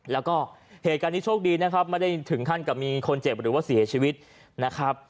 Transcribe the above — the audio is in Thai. แล้วก็เหตุการณ์นี้โชคดีนะครับไม่ได้ถึงขั้นกับมีคนเจ็บหรือว่าเสียชีวิตนะครับ